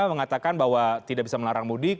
mengatakan bahwa tidak bisa melarang mudik